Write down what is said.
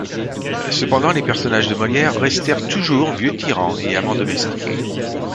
Cependant les personnages de Molière restèrent toujours vieux tyran et amant domestique.